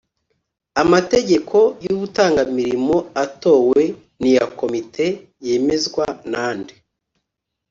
amategeko y’ubutungamirimo atowe niyakomite yemezwa nande